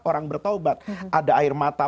orang bertaubat ada air mata